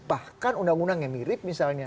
bahkan undang undang yang mirip misalnya